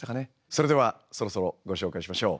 それではそろそろご紹介しましょう。